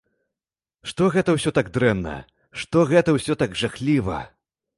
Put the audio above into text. Што гэта ўсё так дрэнна, што гэта ўсё так жахліва.